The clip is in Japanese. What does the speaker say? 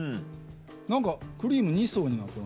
何かクリーム２層になってます。